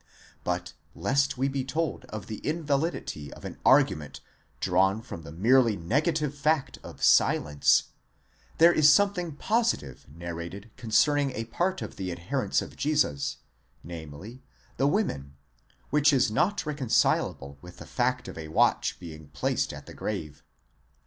But lest we be told of the invalidity of an argument drawn from the merely negative fact of silence, there is something positive narrated concerning a part of the adherents of Jesus, namely, the women, which is not reconcilable with the fact of a watch being placed at the grave.